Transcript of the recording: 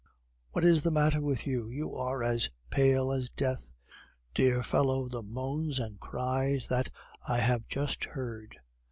"What is the matter with you? You are as pale as death." "Dear fellow, the moans and cries that I have just heard....